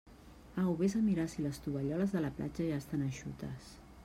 Au, vés a mirar si les tovalloles de la platja ja estan eixutes.